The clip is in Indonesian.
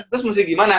terus mesti gimana